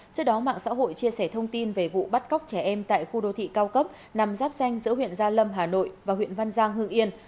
trước đó mạng xã hội chia sẻ thông tin về vụ bắt cóc trẻ em tại khu đô thị cao cấp nằm giáp danh giữa huyện gia lâm hà nội và huyện văn giang hưng yên